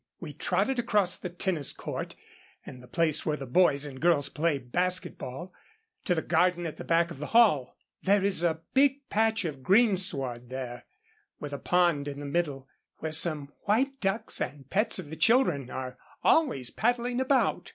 We trotted across the tennis court, and the place where the boys and girls play basket ball, to the garden at the back of the hall. There is a big patch of greensward there, with a pond in the middle, where some white ducks, pets of the children, are always paddling about.